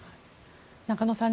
中野さん